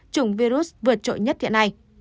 chủng virus vượt trội nhất hiện nay